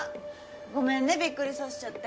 ごめんねビックリさせちゃって。